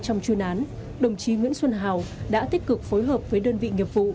trong sổng tàng đồng chí nguyễn xuân hào đã tích cực phối hợp với đơn vị nghiệp vụ